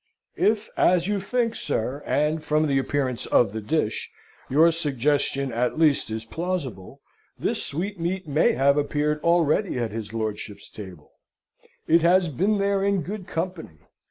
If, as you think, sir, and, from the appearance of the dish, your suggestion at least is plausible, this sweetmeat may have appeared already at his lordship's table, it has been there in good company.